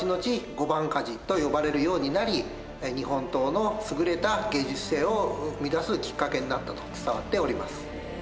御番鍛冶と呼ばれるようになり日本刀の優れた芸術性を生み出すきっかけになったと伝わっております。